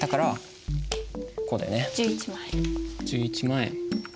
１１万円。